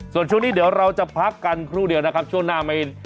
ส่วนช่วงนี้เดี๋ยวเราจะพักกันครู่เดียวนะครับช่วงหน้าไม่